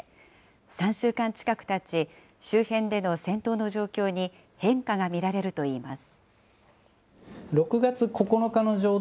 ３週間近くたち、周辺での戦闘の状況に変化が見られるといいます。